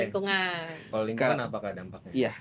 kalau lingkungan apakah dampaknya